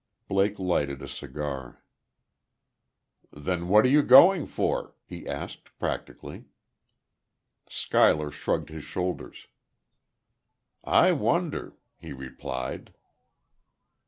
Blake lighted a cigar. "Then what are you going for?" he asked, practically. Schuyler shrugged his shoulders. "I wonder," he replied.